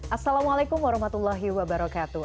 assalamualaikum warahmatullahi wabarakatuh